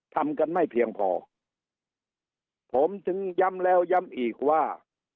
ทำกันไม่เพียงพอผมถึงย้ำแล้วย้ำอีกว่า